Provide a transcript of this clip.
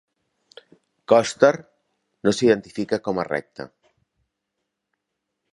Koster no s'identifica com a recta.